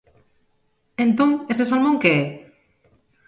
Entón ese salmón que é?